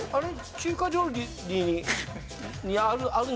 中華料理にあるんじゃないですか？